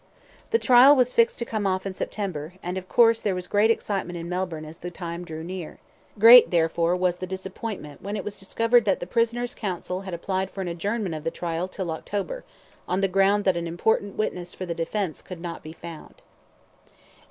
The trial was fixed to come off in September, and, of course, there was great excitement in Melbourne as the time drew near. Great, therefore, was the disappointment when it was discovered that the prisoner's counsel had applied for an adjournment of the trial till October, on the ground that an important witness for the defence could not be found.